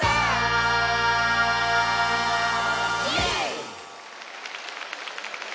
イエーイ！